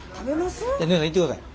ねえさんいってください。